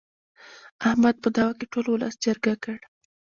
احمد په دعوه کې ټول ولس چرګه کړ.